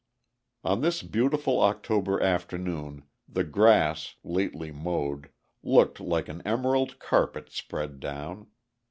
On this beautiful October afternoon the grass, lately mowed, looked like an emerald carpet spread down.